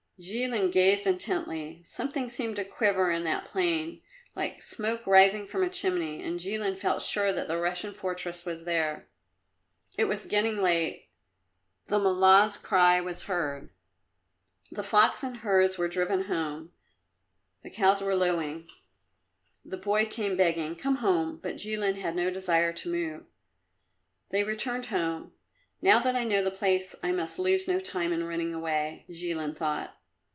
Jilin gazed intently; something seemed to quiver in that plain, like smoke rising from a chimney, and Jilin felt sure that the Russian fortress was there. It was getting late. The Mullah's cry was heard. The flocks and herds were driven home; the cows were lowing. The boy kept on begging "Come home," but Jilin had no desire to move. They returned home. "Now that I know the place I must lose no time in running away," Jilin thought.